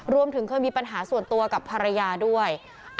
รวมถึงเคยมีปัญหาส่วนตัวกับภรรยาด้วย